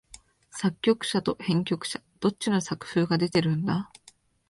作曲者と編曲者、どっちの作風が出てるんだ？